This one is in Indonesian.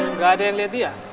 nggak ada yang lihat dia